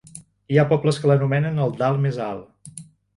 Hi ha pobles que l‘anomenen el dalt més alt.